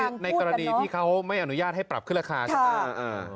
คือในกรณีที่เขาไม่อนุญาตให้ปรับขึ้นราคาใช่ไหม